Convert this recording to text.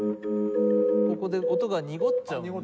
ここで音が濁っちゃう。